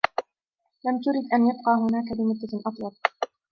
لم ترد أن يبقى هناك لمدة أطول